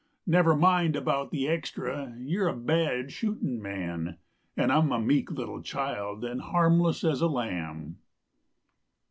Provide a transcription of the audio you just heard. Never mind about the extra, you are a bad shooting man, And I'm a meek little child and as harmless as a lamb."